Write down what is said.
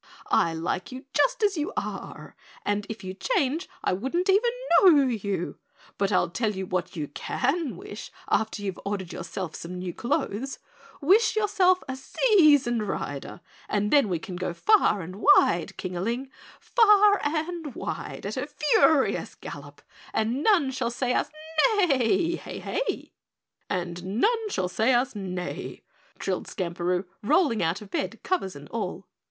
"I like you just as you are, and if you change I wouldn't even know you, but I'll tell you what you can wish after you've ordered yourself some new clothes wish yourself a seasoned rider and then we can go far and wide, Kingaling, far and wide at a furious gallop and none shall say us nay hey, hey!" "And none shall say us nay," trilled Skamperoo, rolling out of bed, covers and all.